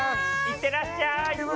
いってらっしゃい。